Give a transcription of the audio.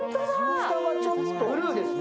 下はちょっとブルーですね。